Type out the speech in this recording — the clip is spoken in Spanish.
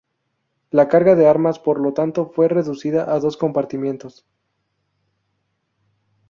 La carga de armas por lo tanto fue reducida a dos compartimientos.